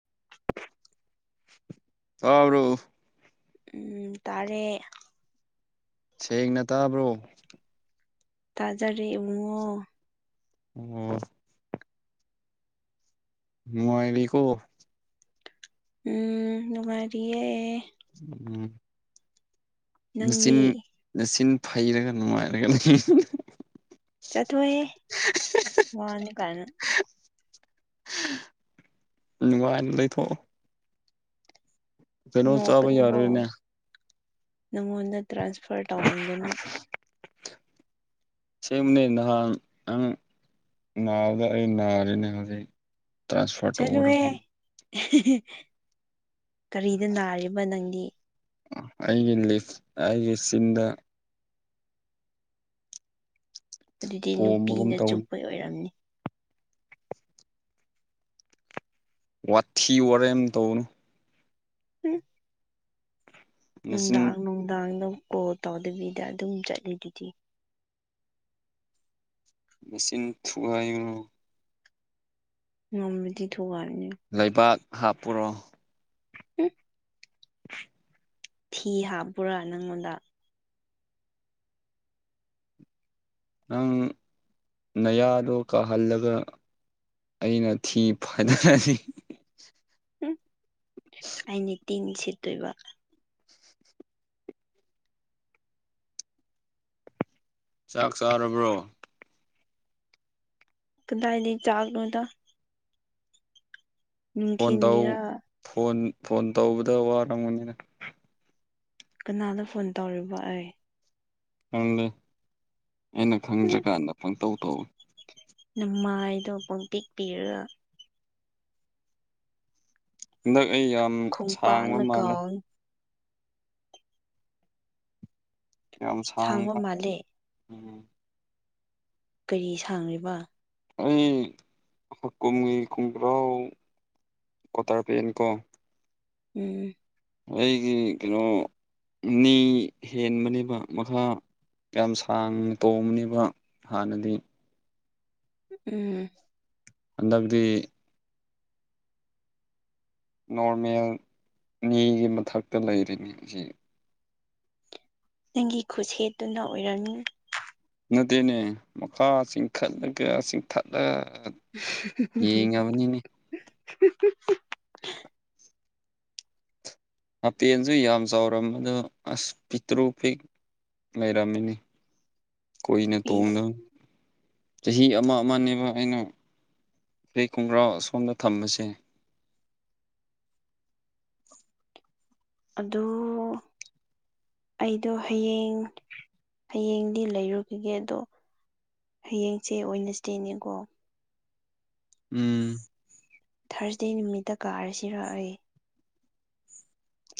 [inaudible] ꯇꯥꯕ꯭ꯔꯣ ꯎꯝ ꯇꯥꯔꯦ ꯁꯦꯡꯅ ꯇꯥꯕ꯭ꯔꯣ ꯇꯥꯖꯥꯔꯦ ꯏꯕꯨꯡꯉꯣ ꯎꯝ ꯅꯨꯡꯉꯥꯏꯔꯤꯀꯣ ꯎꯝ ꯅꯨꯡꯉꯥꯏꯔꯤꯌꯦ ꯎꯝ ꯅꯪꯗꯤ ꯅꯆꯤꯟ-ꯅꯆꯤꯟ ꯐꯩꯔꯥꯒ ꯅꯨꯡꯉꯥꯏꯔꯒ ꯂꯩ ꯆꯠꯊꯣꯍꯦ ꯋꯥꯅꯦ ꯀꯥꯏꯅ ꯅꯨꯡꯉꯥꯏꯅ ꯂꯩꯊꯣꯛꯑꯣ ꯀꯩꯅꯣ ꯆꯥꯕ ꯅꯣꯛꯀꯅꯨꯀꯣ ꯌꯥꯔꯣꯏꯅꯦ ꯅꯪꯉꯣꯟꯗ ꯇ꯭ꯔꯥꯟꯁꯐꯔ ꯇꯧꯔꯝꯗꯅ ꯁꯦꯡꯕꯅꯦ ꯅꯍꯥꯟ ꯅꯪ ꯅꯥꯕꯗ ꯑꯩ ꯅꯥꯔꯦꯅꯦ ꯍꯧꯖꯤꯛ ꯇ꯭ꯔꯥꯟꯁꯐꯔ ꯆꯠꯂꯨꯍꯦ ꯇꯧꯔꯒ ꯀꯔꯤꯗ ꯅꯥꯔꯤꯕ ꯅꯪꯗꯤ ꯑꯩꯒꯤ ꯂꯤꯐ ꯑꯩꯒꯤ ꯆꯤꯟꯗ ꯑꯗꯨꯗꯤ ꯄꯣꯝꯕꯒꯨꯝ ꯅꯨꯄꯤꯅ ꯇꯧꯋꯤ ꯆꯨꯞꯄꯩ ꯑꯣꯏꯔꯝꯅꯤ ꯋꯥꯊꯤ ꯋꯥꯔꯦꯝ ꯇꯧꯅꯨ ꯍꯨꯡ ꯅꯆꯤꯟ ꯅꯨꯡꯗꯥꯡ-ꯅꯨꯡꯗꯥꯡꯗ ꯀꯣꯜ ꯇꯧꯗꯕꯤꯗ ꯑꯗꯨꯝ ꯆꯠꯂꯤꯗꯨꯗꯤ ꯅꯆꯤꯟ ꯊꯨꯒꯥꯏꯒꯅꯤ ꯉꯝꯃꯥꯗꯤ ꯊꯨꯒꯥꯏꯌꯨꯅꯦ ꯂꯩꯕꯥꯛ ꯍꯥꯞꯄꯨꯔꯣ ꯍꯨꯝ ꯊꯤ ꯍꯥꯞꯄꯨꯔꯥ ꯅꯪꯉꯣꯟꯗ ꯅꯪ ꯅꯌꯥꯗꯣ ꯀꯥꯍꯜꯂꯒ ꯑꯩꯅ ꯊꯤ ꯐꯥꯏꯗꯔꯗꯤ ꯎꯝ ꯑꯩꯅ ꯇꯤꯟ ꯁꯤꯠꯇꯣꯏꯕ ꯆꯥꯛ ꯆꯥꯔꯕ꯭ꯔꯣ ꯀꯗꯥꯏꯗꯩꯩ ꯆꯥꯛꯅꯣꯗ ꯐꯣꯟ ꯇꯧ ꯅꯨꯡꯊꯤꯟꯒꯤꯔ ꯐꯣꯟ ꯐꯣꯟ ꯇꯧꯕꯗ ꯋꯥꯔꯝꯕꯅꯤꯅ ꯀꯅꯥꯗ ꯐꯣꯟ ꯇꯧꯔꯤꯕ ꯑꯩ ꯈꯪꯗꯦ ꯑꯩꯅ ꯎꯝ ꯈꯪꯗ꯭ꯔꯤꯀꯥꯟꯗ ꯄꯪꯇꯧ ꯇꯧꯋꯦ ꯅꯃꯥꯏꯗꯣ ꯄꯨꯡꯇꯤꯛꯄꯤꯔꯒ ꯍꯟꯗꯛ ꯑꯩ ꯌꯥꯝ ꯁꯥꯡꯕ ꯈꯣꯡꯄꯥꯛꯅ ꯃꯥꯜꯂꯦ ꯀꯥꯎꯅꯤ ꯌꯥꯝ ꯁꯥꯡꯕ ꯎꯝ ꯀꯔꯤ ꯁꯥꯡꯂꯤꯕ ꯑꯩ ꯀꯨꯝꯒꯤ ꯀꯨꯝꯄ꯭ꯔꯥꯎ ꯀꯇꯥꯔ ꯄꯦꯟꯅꯤ ꯀꯣ ꯎꯝ ꯑꯩꯒꯤ ꯀꯩꯅꯣ ꯅꯤ ꯍꯦꯟꯕꯅꯦꯕ ꯃꯈꯥ ꯌꯥꯝ ꯁꯥꯡꯅ ꯇꯣꯡꯕꯅꯦꯕ ꯍꯥꯟꯅꯗꯤ ꯎꯝ ꯍꯟꯗꯛꯗꯤ ꯅꯣꯔꯃꯦꯜ ꯅꯤꯒꯤ ꯃꯊꯛꯇ ꯂꯩꯔꯤꯅꯤ ꯁꯤ ꯅꯪꯒꯤ ꯈꯨꯠꯁꯦꯠꯇꯨꯅ ꯑꯣꯏꯔꯝꯅꯤ ꯅꯗꯤꯅꯦ ꯃꯈꯥ ꯆꯤꯡꯈꯠꯂꯒ ꯆꯤꯡꯊꯠꯂ ꯌꯦꯡꯉꯕꯅꯤꯅꯦ [unintelligible] ꯍꯥꯄꯦꯟꯁꯨ ꯌꯥꯝ ꯆꯥꯎꯔꯝꯕꯗꯣ ꯑꯁ ꯄꯤꯛꯇ꯭ꯔꯨ ꯄꯤꯛ ꯔꯝꯃꯤꯅꯤ ꯀꯨ ꯄ꯭ꯂꯤꯁ ꯇꯣꯡꯗ ꯆꯍꯤ ꯑꯃ ꯑꯃꯅꯦꯕ ꯑꯩꯅ ꯑꯩ ꯈꯣꯡꯒ꯭ꯔꯥꯎ ꯁꯣꯝꯗ ꯊꯝꯕꯁꯦ ꯑꯗꯨ ꯑꯩꯗꯣ ꯍꯌꯦꯡ ꯍꯌꯦꯡꯗꯤ ꯂꯩꯔꯨꯈꯤꯒꯦ ꯑꯗꯣ ꯍꯌꯦꯡꯁꯦ ꯑꯣꯏꯅꯁꯦꯅꯦꯀꯣ ꯎꯝ ꯊꯥꯔꯁꯗꯦ ꯅꯨꯃꯤꯠꯇ ꯀꯥꯔꯁꯤꯔꯛꯑ ꯑꯩꯦ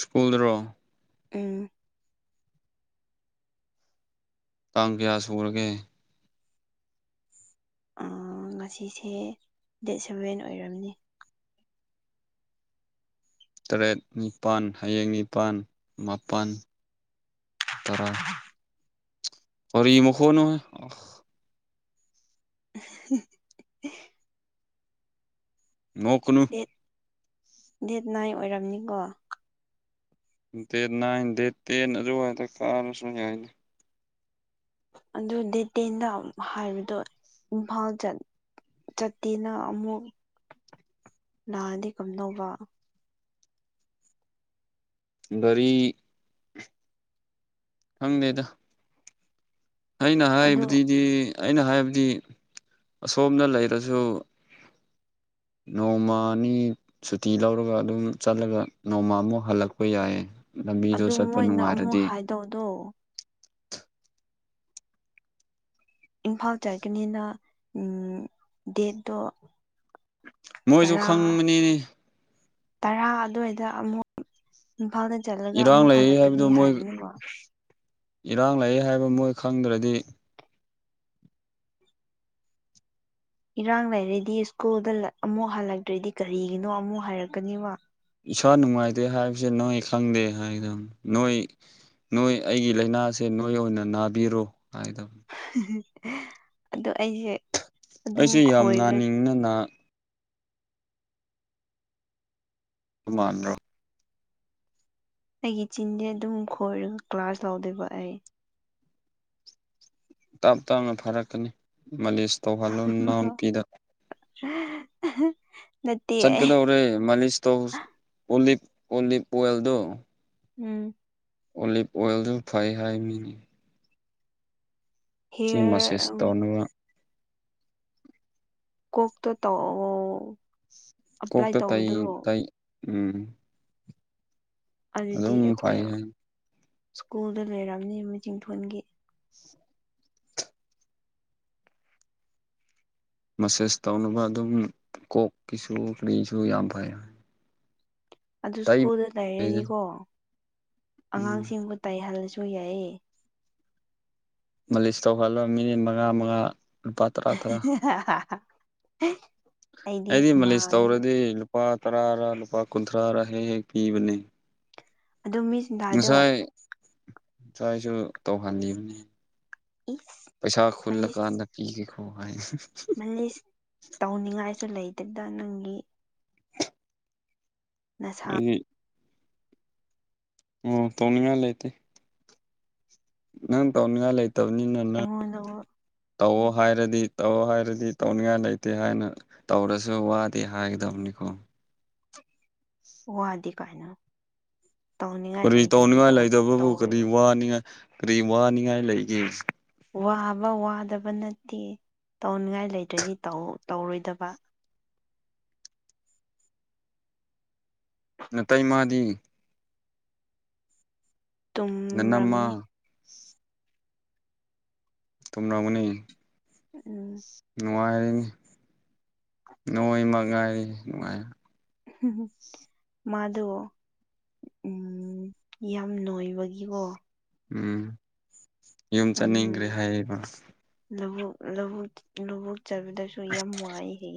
ꯁ꯭ꯀꯨꯜ꯭ꯔꯣ ꯑꯝ ꯇꯥꯡ ꯀꯌꯥ ꯁꯨꯔꯒꯦ ꯉꯁꯤꯁꯦ ꯗꯦꯠ ꯁꯚꯦꯟ ꯑꯣꯏꯔꯝꯅꯤ ꯇꯔꯦꯠ ꯅꯤꯄꯥꯜ ꯍꯌꯦꯡ ꯅꯤꯄꯜ ꯃꯥꯄꯜ ꯇꯔꯥ ꯑꯣ ꯏꯃ ꯀ ꯋꯥꯅꯣ ꯍꯥꯏ [inaudible] ꯅꯣꯛꯀꯅ ꯗꯦꯠ ꯗꯦꯠ ꯅꯥꯏꯟ ꯑꯣꯏꯔꯝꯅꯤꯀꯣ ꯗꯅꯥ ꯗꯦ ꯔꯣ ꯀꯥꯔꯁꯨꯅ ꯌꯥ ꯑꯗꯨ ꯗꯦ ꯇꯦꯟꯗ ꯍꯥꯏꯕꯗꯣ ꯏꯝꯐꯥꯜ ꯆꯠ ꯆꯠꯇꯦꯅ ꯑꯃꯨꯛ ꯅꯥꯔꯗꯤꯦ ꯀꯝꯅꯧꯕ ꯔꯤ ꯈꯪꯗꯦꯗ ꯑꯩꯅ ꯑꯗꯨ ꯍꯥꯏꯕꯗꯨꯗꯤ ꯑꯩꯅ ꯍꯥꯏꯕꯗꯤ ꯑꯁꯣꯝꯗ ꯂꯩꯔꯁꯨ ꯅꯃꯅꯤ ꯁꯨꯇꯤ ꯂꯧꯔꯒ ꯑꯗꯨꯝ ꯆꯠꯂꯒ ꯅꯣꯡꯃꯃꯨꯛ ꯍꯜꯂꯛꯄ ꯌꯥꯏꯌꯦ ꯂꯝꯕꯤꯗꯣ ꯆꯠꯄ ꯅꯨꯡꯉꯥꯏꯔꯗꯤ ꯇꯧꯗꯣ ꯏꯝꯐꯥꯜ ꯆꯠꯀꯅꯤꯅ ꯗꯦꯠꯇꯣ ꯃꯣꯏꯁꯨ ꯇꯔꯥ ꯈꯪꯕꯅꯤꯅꯦ ꯇꯔꯥ ꯑꯗꯨꯋꯥꯏꯗ ꯑꯃꯨꯛ ꯏꯝꯐꯥꯜꯗ ꯆꯠꯂꯒ ꯏꯔꯥꯡ ꯑꯃꯨꯛ ꯂꯩ ꯍꯜꯂꯛꯀꯅꯤ ꯍꯥꯏꯕꯗꯣ ꯃꯣꯏ ꯍꯥꯏꯕꯅꯦꯕ ꯏꯔꯥꯡ ꯂꯩꯌꯦ ꯍꯥꯏꯕ ꯃꯣꯏ ꯈꯪꯗ꯭ꯔꯗꯤ ꯏꯔꯥꯡ ꯂꯩꯔꯗꯤ ꯁ꯭ꯀꯨꯜꯗ ꯑꯃꯨꯛ ꯍꯜꯂꯛꯇ꯭ꯔꯗꯤ ꯀꯔꯤꯒꯤꯅꯣ ꯑꯃꯨꯛ ꯍꯥꯏꯔꯛꯀꯅꯤꯕ ꯏꯁꯥ ꯅꯨꯡꯉꯥꯏꯇꯦ ꯍꯥꯏꯕꯁꯦ ꯅꯣꯏ ꯈꯪꯗꯦ ꯍꯥꯏꯗꯕꯅꯤ ꯅꯣꯏ ꯅꯣꯏ ꯑꯩꯒꯤ ꯂꯥꯏꯅꯥꯁꯦ ꯅꯣꯏ ꯑꯣꯏꯅ ꯅꯥꯕꯤꯔꯣ ꯍꯥꯏꯗꯕꯅꯤ ꯑꯣ ꯑꯩꯁꯦ ꯑꯗꯨꯝ ꯑꯩꯁꯨ ꯌꯥꯝ ꯈꯣꯏꯔ ꯅꯥꯅꯤꯡꯗꯅ [unintelligible] ꯑꯩꯒꯤ ꯆꯤꯟꯗꯤ ꯑꯗꯨꯝ ꯈꯣꯏꯔꯒ ꯀ꯭ꯂꯥꯁ ꯂꯧꯗꯣꯏꯕ ꯑꯩ ꯇꯞ ꯇꯞꯅ ꯐꯥꯔꯛꯀꯅꯤ ꯃꯥꯂꯤꯁ ꯇꯧꯍꯜꯂꯨ ꯅꯅꯥꯎ ꯅꯨꯄꯤꯗ [unintelligible] ꯆꯠꯀꯗꯧꯔꯦ ꯃꯥꯂꯤꯁ ꯇꯧ ꯑꯣꯂꯤꯞ ꯑꯣꯂꯤꯞ ꯑꯣꯏꯜꯗꯣ ꯎꯝ ꯑꯣꯂꯤꯞ ꯑꯣꯏꯜꯗꯨ ꯐꯩ ꯍꯥꯏ ꯃꯤꯅ ꯁꯤ ꯃꯁꯦꯁ ꯍꯦꯌꯔ ꯇꯧꯅꯕ ꯀꯣꯛꯇꯣ ꯇꯧꯑꯣ ꯑꯦꯄ꯭ꯂꯥꯏ ꯀꯣꯛꯇ ꯇꯩ ꯇꯧꯗ꯭ꯔꯣ ꯇꯩ ꯎꯝ ꯑꯗꯨꯗꯤ ꯑꯗꯨꯝ ꯑꯩꯈꯣꯏ ꯐꯩ ꯍꯥꯏ ꯁ꯭ꯀꯨꯜꯗ ꯂꯩꯔꯝꯅꯤ ꯃꯆꯤꯡꯊꯣꯟꯒꯤ ꯃꯁꯦꯁ ꯇꯧꯅꯕ ꯑꯗꯨꯝ ꯀꯣꯛꯀꯤꯁꯨ ꯀꯔꯤꯁꯨ ꯌꯥꯝ ꯐꯩ ꯑꯗꯨ ꯇꯩ ꯁ꯭ꯀꯨꯜꯗ ꯇꯔꯗꯤꯀꯣ ꯎꯝ ꯑꯉꯥꯡꯁꯤꯡꯕꯨ ꯇꯩꯍꯜꯂꯁꯨ ꯌꯥꯏꯌꯦ ꯃꯥꯂꯤꯁ ꯇꯧꯍꯜꯂ ꯃꯤꯅꯤꯠ ꯃꯉꯥ ꯃꯉꯥ ꯂꯨꯄꯥ ꯇꯔꯥ ꯇꯔꯥ [unintelligible] ꯑꯩꯗꯤ ꯃꯥꯂꯤꯁ ꯇꯧꯔꯗꯤ ꯂꯨꯄꯥ ꯇꯔꯥꯔ ꯂꯨꯄꯥ ꯀꯨꯟꯊ꯭ꯔꯥꯔ ꯍꯦꯛ ꯍꯦꯛ ꯄꯤꯕꯅꯦ ꯑꯗꯨꯁꯨ ꯉꯁꯥꯏ ꯉꯁꯥꯏꯁꯨ ꯇꯧꯍꯜꯂꯤꯕꯅꯤ ꯏꯁ ꯄꯩꯁꯥ ꯈꯨꯜꯂ ꯃꯥꯂꯤꯁ ꯀꯥꯟꯗ ꯄꯤ ꯒꯀꯣ ꯍꯥꯏ ꯃꯥꯂꯤꯁ ꯇꯧꯅꯤꯡꯉꯥꯏꯁꯨ ꯂꯩꯇꯦꯗꯥ ꯅꯪꯒꯤ ꯅꯁꯥ [inaudible] ꯑꯣ ꯇꯧꯅꯤꯡꯉꯥꯏ ꯂꯩ [unintelligible] ꯅꯪ ꯇꯧꯅꯤꯡꯉꯥꯏ ꯂꯩꯇꯕꯅꯤꯅꯥꯅꯦ ꯑꯩꯉꯣꯟꯗ ꯇꯧꯑꯣ ꯍꯥꯏꯔꯗꯤ ꯇꯧꯑꯣ ꯍꯥꯏꯔꯗꯤ ꯇꯧꯅꯤꯡꯉꯥꯏ ꯂꯩꯇꯦ ꯍꯥꯏꯅ ꯇꯧꯔꯁꯨ ꯋꯥꯗꯦ ꯍꯥꯏꯒꯗꯕꯅꯤꯀꯣ ꯋꯥꯗꯦ ꯀꯥꯏꯅ ꯇꯧꯅꯤꯡꯉꯥꯏ ꯀꯔꯤ ꯂꯩꯇ꯭ꯔꯗꯤ ꯇꯧꯅꯤꯡꯉꯥꯏ ꯇꯧ ꯂꯩꯇꯕꯕꯨ ꯀꯔꯤ ꯇꯧꯔꯣꯏꯕ ꯋꯥꯅꯤꯡꯉꯥꯏ ꯀꯔꯤ ꯋꯥꯅꯤꯡꯉꯥꯏ ꯂꯩꯒꯦ ꯋꯥꯕ ꯋꯥꯗꯕ ꯅꯠꯇꯦ ꯇꯧꯅꯤꯡꯉꯥꯏ ꯂꯩꯇ꯭ꯔꯗꯤ ꯇꯧꯔꯣꯏꯗꯕ ꯅꯇꯩ ꯃꯥꯗꯤ ꯅꯅꯝꯃ ꯇꯨꯝꯔꯝꯅꯤ ꯇꯨꯝꯔꯝꯒꯅꯤ ꯎꯝ ꯅꯨꯡꯉꯥꯏꯔꯤꯅꯤ ꯅꯣꯏ ꯃꯥ ꯉꯥꯏꯔꯤꯅꯤ ꯅꯨꯡꯉꯥꯏ ꯃꯥꯗꯣ ꯎꯝ ꯌꯥꯝ ꯅꯣꯏꯕꯒꯤꯀꯣ ꯎꯝ ꯌꯨꯝ ꯆꯠꯅꯤꯡꯈ꯭ꯔꯦ ꯎꯝ ꯍꯥꯏꯌꯦꯕ ꯂꯧꯕꯨꯛ ꯂꯧꯕꯨꯛ ꯂꯧꯕꯨꯛ ꯆꯠꯄꯥꯗꯁꯨ ꯌꯥꯝ ꯋꯥꯏꯌꯦ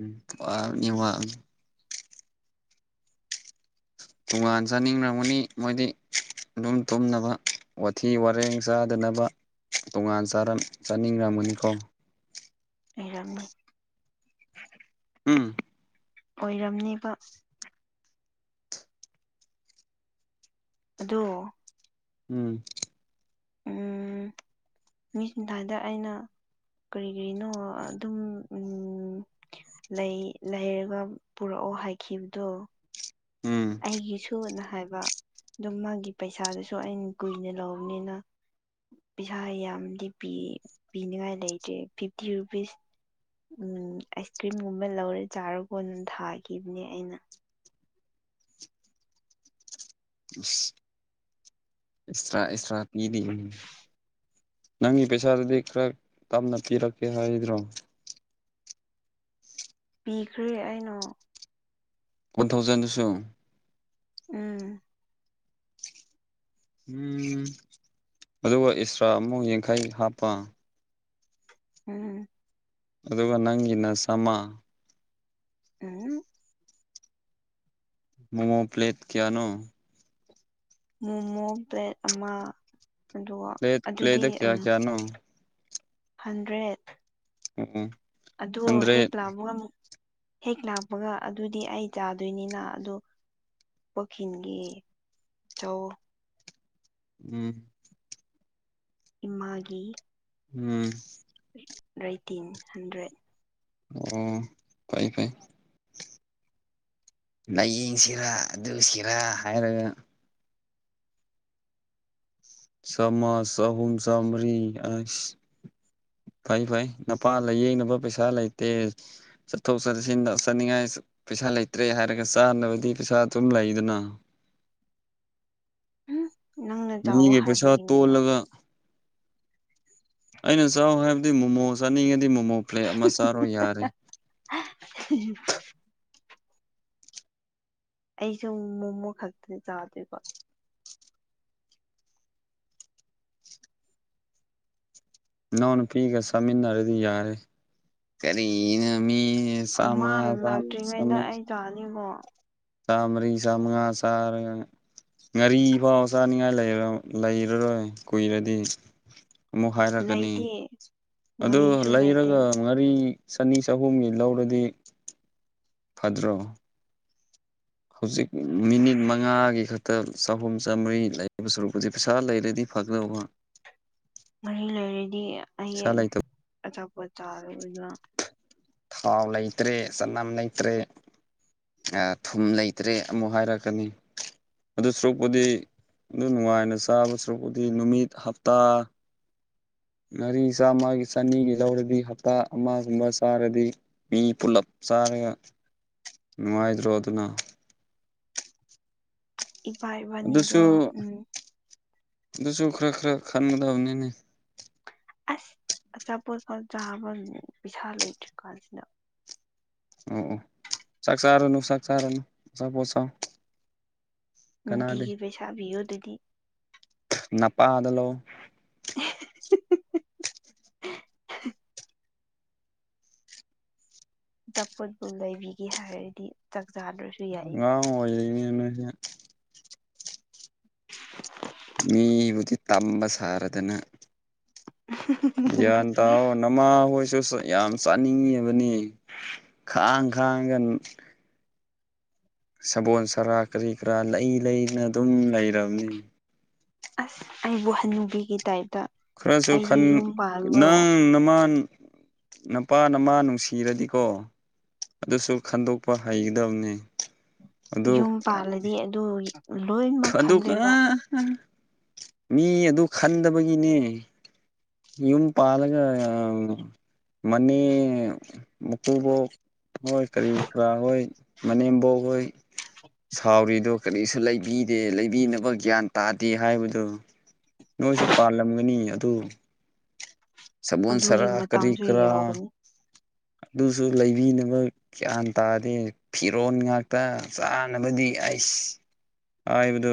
ꯎꯝ ꯋꯥꯕꯅꯤ ꯋꯥꯕꯅꯤ ꯇꯣꯉꯥꯟ ꯆꯥꯅꯤꯡꯔꯝꯒꯅꯤ ꯃꯣꯏꯗꯤ ꯑꯗꯨꯝ ꯇꯨꯝꯅꯕ ꯋꯥꯊꯤ ꯋꯥꯔꯦꯡ ꯆꯥꯗꯅꯕ ꯇꯣꯉꯥꯟ ꯆꯥꯅꯤꯡꯔꯝꯒꯅꯤꯀꯣ [unintelligible] ꯎꯝ ꯑꯣꯏꯔꯝꯅꯦꯕ ꯑꯗꯣ ꯎꯝ ꯃꯤꯁꯗꯥꯏꯗ ꯑꯩꯅ ꯀꯔꯤ ꯀꯔꯤꯅꯣ ꯑꯗꯨꯝ ꯂꯩ ꯂꯩꯔꯒ ꯄꯨꯔꯛꯑꯣ ꯍꯥꯏꯈꯤꯕꯗꯣ ꯎꯝ ꯑꯩꯒꯤ ꯁꯨꯕꯅ ꯍꯥꯏꯕ ꯑꯗꯨꯝ ꯃꯥꯒꯤ ꯄꯩꯁꯥꯗꯨꯁꯨ ꯑꯩꯅ ꯀꯨꯏꯅ ꯂꯧꯕꯅꯤꯅ ꯄꯩꯁꯥ ꯌꯥꯝꯗꯤ ꯄꯤ ꯄꯤꯅꯤꯉꯥꯏ ꯂꯩꯇ꯭ꯔꯦ ꯐꯤꯐꯇꯤ ꯔꯨꯄꯤꯁ ꯎꯝ ꯑꯥꯏꯁ ꯀ꯭ꯔꯤꯝꯒꯨꯝꯕ ꯂꯧꯔꯦ ꯆꯥꯔ ꯀꯣꯟ ꯑꯗꯨꯝ ꯊꯥꯈꯤꯕꯅꯦ ꯑꯩꯅ ꯑꯁ ꯏꯁꯇꯔꯥ ꯏꯁꯇꯔꯥꯤꯗꯤ ꯅꯪꯒꯤ ꯄꯩꯁꯥꯗꯨꯗꯤ ꯈꯔ ꯇꯞꯅ ꯄꯤꯔꯛꯀꯦ ꯍꯥꯏꯗ꯭ꯔꯣ ꯄꯤꯈ꯭ꯔꯦ ꯑꯩꯅꯣ ꯋꯥꯟ ꯊꯥꯎꯖꯟꯗꯁꯨ ꯎꯝ ꯎꯝ ꯑꯗꯨꯒ ꯑꯦꯛꯁꯇ꯭ꯔꯥ ꯑꯃꯨꯛ ꯌꯥꯡꯈꯩ ꯍꯥꯞꯄ ꯎꯝ ꯑꯗꯨꯒ ꯅꯪꯒꯤꯅ ꯁꯃꯥ ꯎꯝ ꯃꯣꯃꯣ ꯄ꯭ꯂꯦꯠ ꯀꯌꯥꯅꯣ ꯃꯣꯃꯣ ꯄ꯭ꯂꯦꯠ ꯑꯃ ꯑ ꯄ꯭ꯂꯦꯠ ꯑꯗꯨꯗꯤ ꯄ꯭ꯂꯦꯠꯇ ꯑ ꯀꯌꯥ ꯀꯌꯥꯅꯣ ꯍꯟꯗ꯭ꯔꯦꯠ ꯎꯝ ꯑꯗꯣ ꯍꯦꯛ ꯍꯟꯗ꯭ꯔꯦꯠ ꯂꯥꯛꯄꯒ ꯍꯦꯛ ꯂꯥꯛꯄꯒ ꯑꯗꯨꯗꯤ ꯑꯩ ꯆꯥꯗꯣꯏꯅꯤꯅ ꯑꯗꯣ ꯄꯨꯈꯤꯤꯡꯒꯤ ꯆꯧ ꯎꯝ ꯏꯃꯥꯒꯤ ꯎꯝ ꯔꯥꯏꯇꯤꯟ ꯍꯟꯗ꯭ꯔꯦꯠ ꯑꯣ ꯐꯥꯏ ꯐꯥꯏ ꯂꯥꯏꯌꯦꯡꯁꯤꯔꯥ ꯑꯗꯨ ꯁꯤꯔꯥ ꯍꯥꯏꯔꯒ ꯆꯃꯖ ꯆꯍꯨꯝ ꯆꯥꯝꯃ꯭ꯔꯤ ꯑꯁ ꯐꯩ ꯐꯩ ꯅꯄꯥ ꯂꯥꯏꯌꯦꯡꯅꯕ ꯄꯩꯁꯥ ꯂꯩꯇꯦ ꯆꯠꯊꯣꯛ ꯆꯠꯁꯤꯟ ꯇꯧ ꯆꯅꯤꯡꯉꯥꯏ ꯄꯩꯁꯥ ꯂꯩꯇ꯭ꯔꯦ ꯍꯥꯏꯔꯒ ꯆꯥꯅꯕꯗꯤ ꯄꯩꯁꯥ ꯑꯗꯨꯝ ꯂꯩꯗꯅ ꯎꯝ ꯅꯪꯅ ꯆꯥꯎꯋꯣ ꯃꯤꯒꯤ ꯄꯩꯁꯥ ꯍꯥꯏꯕꯒꯤꯅꯤꯅꯣ ꯇꯣꯜꯂꯒ ꯑꯩꯅ ꯆꯥꯎꯥꯛ ꯍꯥꯏꯕꯗꯤ ꯃꯣꯃꯣ ꯆꯥꯅꯤꯡꯉꯗꯤ ꯃꯣꯃꯣ ꯄ꯭ꯂꯦꯠ ꯑꯃ ꯆꯥꯔꯣꯏ ꯌꯥꯔꯦ [unintelligible] ꯑꯩꯁꯨ ꯃꯣꯃꯣ ꯈꯛꯇꯗꯤ ꯆꯥꯗꯣꯏꯀꯣ ꯏꯅꯥꯎ ꯅꯨꯄꯤꯒ ꯆꯥꯃꯤꯟꯅꯔꯗꯤ ꯌꯥꯔꯦ ꯀꯔꯤꯅ ꯃꯤ ꯁꯃ ꯃꯥ ꯂꯥꯛꯇ꯭ꯔꯤꯉꯩꯗ ꯑꯩ ꯆꯥꯅꯤꯀꯣ ꯆꯃꯔꯤ ꯁꯉꯥ ꯁꯔ ꯉꯥꯔꯤ ꯐꯥꯎ ꯆꯥꯅꯤꯡꯉꯥꯏ ꯂꯩꯔꯔꯣꯏ ꯀꯨꯏꯔꯗꯤ ꯑꯃꯨꯛ ꯍꯥꯏꯔꯛꯒꯅꯤ ꯂꯩꯇꯦ ꯑꯗꯨ ꯉꯥꯔꯤꯁꯨ ꯂꯩꯇꯦ ꯂꯩꯔꯒ ꯉꯥꯔꯤ ꯆꯅꯤ ꯆꯍꯨꯝꯒꯤ ꯂꯧꯔꯗꯤ ꯐꯗ꯭ꯔꯣ ꯍꯧꯖꯤꯛ ꯃꯤꯅꯤꯠ ꯃꯉꯥꯒꯤ ꯈꯛꯇ ꯆꯍꯨꯝ ꯆꯥꯝꯃꯔꯤ ꯂꯩꯕ ꯁꯨꯔꯨꯄꯁ ꯄꯩꯁꯥ ꯂꯩꯔꯗꯤ ꯐꯒꯗꯕ ꯃꯔꯤ ꯂꯩꯔꯗꯤ ꯑꯩ ꯄꯩꯁꯥ ꯂꯩꯇꯕ ꯑꯆꯥꯄꯣꯠ ꯆꯥꯔꯗꯅ ꯍꯥꯎ ꯂꯩꯇ꯭ꯔꯦ ꯆꯅꯝ ꯂꯩꯇ꯭ꯔꯦ ꯊꯨꯝ ꯂꯩꯇ꯭ꯔꯦ ꯑꯃꯨꯛ ꯍꯥꯏꯔꯛꯀꯅꯤ ꯑꯗꯨ ꯁꯔꯨꯛꯄꯨꯗꯤ ꯑꯗꯨ ꯅꯨꯡꯉꯥꯏꯅ ꯆꯥꯕ ꯁꯨꯔꯨꯛꯄꯨꯗꯤ ꯅꯨꯃꯤꯠ ꯍꯞꯇꯥ ꯉꯥꯔꯤ ꯆꯥꯝꯃꯒꯤ ꯆꯅꯤꯒꯤ ꯂꯧꯔꯗꯤ ꯍꯞꯇꯥ ꯑꯃꯒꯨꯝꯕ ꯆꯥꯔꯗꯤ ꯃꯤ ꯄꯨꯂꯞ ꯆꯥꯔꯒ ꯅꯨꯡꯉꯥꯏꯗ꯭ꯔꯣ ꯑꯗꯨꯅ ꯏꯚꯥꯏ ꯑꯗꯨꯁꯨ ꯑꯗꯨꯁꯨ ꯈꯔ ꯈꯔ ꯈꯟꯒꯗꯕꯅꯤꯅꯦ ꯑꯁ ꯑꯆꯥꯄꯣꯠꯀꯣ ꯆꯥꯕ ꯄꯩꯁꯥ ꯂꯩꯇ꯭ꯔꯤꯀꯣ ꯁꯤꯗ ꯑꯣ ꯑꯣ ꯁꯥꯒ ꯁꯥꯥꯔꯣ ꯅ ꯁꯥꯒ ꯁꯥꯔꯣꯅ ꯁꯄꯣ ꯎꯝꯗꯤꯤꯒꯤ ꯄꯩꯁꯥꯕꯤꯌꯣ ꯑꯗꯨꯗꯤ ꯅꯄꯥꯗꯂꯣ [inaudible] ꯆꯄꯣꯠꯄꯕꯨ ꯂꯩꯕꯤꯒꯦ ꯍꯥꯏꯔꯗꯤ ꯆꯥꯛ ꯆꯥꯗꯁꯨ ꯑꯉꯥꯡ ꯑꯣꯏꯔꯛꯅꯦ ꯅꯣꯏꯁꯦ ꯃꯤꯕꯨꯗꯤ ꯇꯝꯕ ꯁꯥꯔꯗꯅ ꯎ ꯌꯥꯥꯟꯇꯥꯣ ꯅꯃꯥ ꯍꯣꯏꯁꯨ ꯌꯥꯝ ꯆꯥꯅꯤꯡꯉꯤꯕꯅꯤ ꯈꯥꯡ ꯈꯥꯡꯒ ꯁꯕꯣꯜ ꯁꯔꯥ ꯀꯔꯤ ꯀꯔꯥ ꯂꯩ ꯂꯩꯅ ꯑꯗꯨꯝ ꯂꯩꯝꯅꯤ ꯑꯁ ꯑꯩꯕꯨ ꯍꯟꯅꯤꯡꯕꯤꯒꯤ ꯇꯥꯏꯞꯇ ꯈꯔꯁꯨ ꯑꯩꯁꯦ ꯌꯨꯝ ꯄꯥꯟꯕ꯭ꯔꯣ ꯅꯪ ꯅꯃꯥꯟ ꯅꯄꯥ ꯅꯃꯥ ꯅꯨꯡꯁꯤꯔꯗꯤꯀꯣ ꯑꯗꯨꯁꯨ ꯈꯟꯗꯣꯛꯄ ꯍꯩꯒꯗꯕꯅꯤ ꯑꯗꯨ ꯌꯨꯝ ꯄꯥꯜꯂꯗꯤ ꯑꯗꯨ ꯂꯣꯏꯅꯃꯛ ꯑꯗꯨ ꯀ ꯈꯟꯗꯣꯏꯕ ꯃꯤ ꯑꯗꯨ ꯈꯟꯗꯕꯒꯤꯅꯦ ꯏꯟ ꯄꯥꯜꯒ ꯃꯅꯤ ꯃꯀꯣꯕꯣ ꯍꯣꯏ ꯀꯔꯤ ꯀꯔꯥ ꯍꯣꯏ ꯃꯅꯦꯝꯐꯥꯎ ꯍꯣꯏ ꯁꯥꯎꯔꯤꯗꯣ ꯀꯔꯤꯁꯨ ꯂꯩꯕꯤꯗꯦ ꯂꯩꯕꯤꯅꯕ ꯒ꯭ꯌꯥꯟ ꯇꯥꯗꯦ ꯍꯥꯏꯕꯗꯨ ꯅꯣꯏꯁꯨ ꯄꯥꯜꯂꯝꯒꯅꯤ ꯑꯗꯨ ꯁꯒꯣꯜ ꯑꯗꯨꯒꯤ ꯁꯔꯥ ꯀꯔꯤ ꯃꯇꯝꯁꯨ ꯀꯔꯥ ꯌꯧꯒꯅꯤ ꯑꯗꯨꯁꯨ ꯂꯩꯕꯤꯅꯕ ꯒ꯭ꯌꯥꯟ ꯇꯥꯔꯗꯦ ꯐꯤꯔꯣꯟꯜ ꯉꯥꯛꯇ ꯆꯥꯅꯕꯗꯤ ꯑꯩꯁ ꯑꯕꯗꯨ